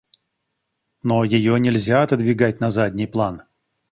Но ее нельзя отодвигать на задний план.